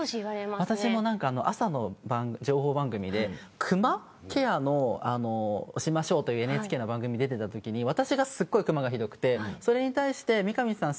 私も朝の情報番組でクマケアをしましょうというＮＨＫの番組に出ていたときに私がすごくクマがひどくてそれに対して三上さん